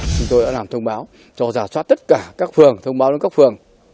chúng tôi đã làm thông báo cho giả soát tất cả các phường thông báo đến các phường